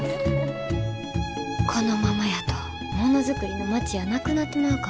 このままやとものづくりの町やなくなってまうかも。